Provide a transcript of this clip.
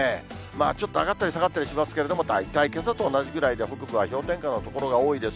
ちょっと上がったり下がったりしますけど、大体けさと同じぐらいで、北部は氷点下の所が多いです。